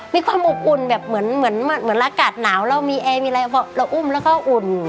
มีความอบอุ่นแบบเหมือนอากาศหนาวเรามีแอร์มีอะไรพอเราอุ้มแล้วก็อุ่น